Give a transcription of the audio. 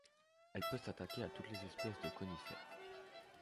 Elle peut s'attaquer à toutes les espèces de conifères.